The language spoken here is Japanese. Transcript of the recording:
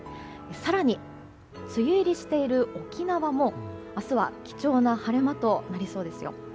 更に梅雨入りしている沖縄も明日は貴重は晴れ間となりそうです。